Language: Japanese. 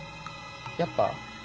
やっぱ？